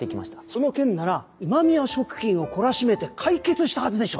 その件なら今宮食品を懲らしめて解決したはずでしょ。